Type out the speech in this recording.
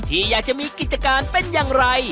ที่อยากจะมีกิจการเป็นอย่างไร